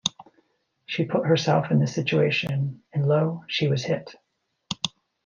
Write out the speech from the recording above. She put herself in this situation - and lo, she was hit.